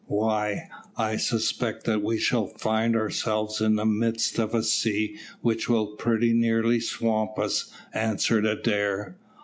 "Why, I suspect that we shall find ourselves in the midst of a sea which will pretty nearly swamp us," answered Adair.